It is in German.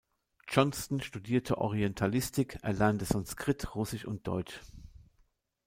Johnston studierte Orientalistik, erlernte Sanskrit, russisch und deutsch.